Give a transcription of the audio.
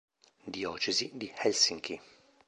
Diocesi di Helsinki